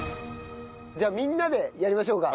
じゃあみんなでやりましょうか。